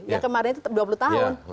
yang kemarin tetap dua puluh tahun